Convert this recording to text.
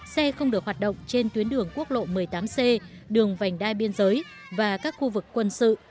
xe không được hoạt động trên tuyến đường quốc lộ một mươi tám c đường vành đai biên giới và các khu vực quân sự